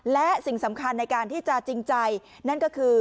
และสิ่งสำคัญในการที่จะจริงใจนั่นก็คือ